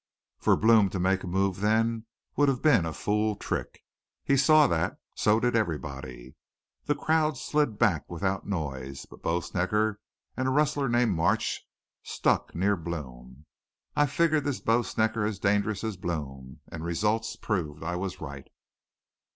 For Blome to make a move then would have been a fool trick. He saw that. So did everybody. The crowd slid back without noise, but Bo Snecker an' a rustler named March stuck near Blome. I figured this Bo Snecker as dangerous as Blome, an' results proved I was right.